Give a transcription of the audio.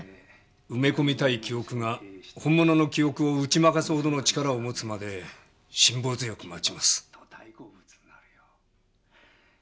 埋め込みたい記憶が本物の記憶を打ち負かすほどの力を持つまで辛抱強く待ちます。